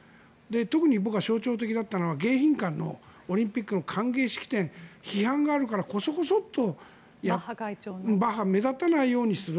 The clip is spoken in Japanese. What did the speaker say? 特に僕は象徴的だったのが迎賓館のオリンピックの歓迎式典批判があるから目立たないようにする。